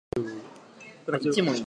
警備